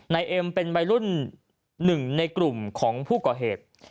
นายเอ็มเป็นใบรุ่น๑ในกลุ่มของผู้ก่อเหตุ